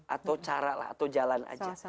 atau cara lah atau jalan aja